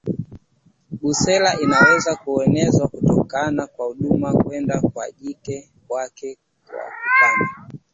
Brusela inaweza kuenezwa kutoka kwa dume kwenda kwa jike wakati wa kupanda